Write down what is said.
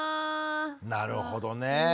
なるほどね。